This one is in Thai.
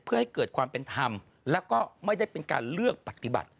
เพื่อให้เกิดความเป็นธรรมแล้วก็ไม่ได้เป็นการเลือกปฏิบัติ